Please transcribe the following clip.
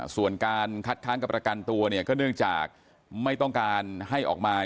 ส่วนการคัดค้างกับประกันตัวเนี่ยก็เนื่องจากไม่ต้องการให้ออกมา